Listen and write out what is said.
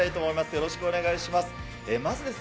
よろしくお願いします。